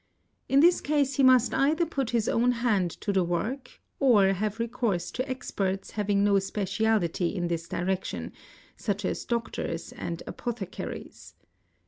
In _ this case he must either put his own hand to the work or have recourse , to experts having no speciality in this direction, such as doctors and a apothecaries.